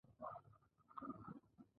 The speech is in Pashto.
د پانګوالو سیالي یو مهم لامل ګرځي